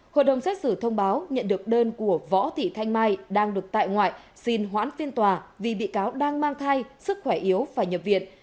hội đồng xét xử thông báo nhận được đơn của võ thị thanh mai đang được tại ngoại xin hoãn phiên tòa vì bị cáo đang mang thai sức khỏe yếu phải nhập viện